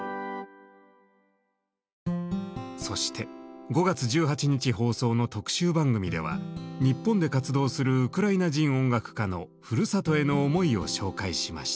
そして５月１８日放送の特集番組では日本で活動するウクライナ人音楽家のふるさとへの思いを紹介しました。